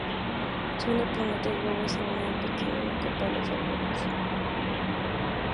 Suele poner tres huevos en un nido pequeño en la copa de los árboles.